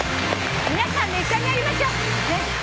皆さん一緒にやりましょう。